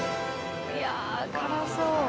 いや辛そう。